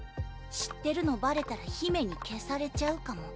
知ってるのばれたら姫に消されちゃうかも。